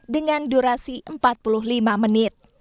dengan durasi empat puluh lima menit